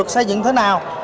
xây dựng thế nào